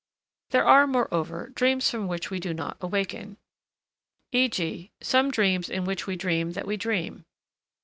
There are, moreover, dreams from which we do not awaken, e.g., some dreams in which we dream that we dream.